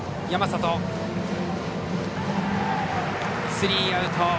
スリーアウト。